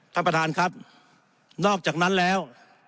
ท่านประธานครับนอกจากนั้นแล้ว